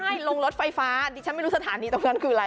ใช่ลงรถไฟฟ้าดิฉันไม่รู้สถานีตรงนั้นคืออะไร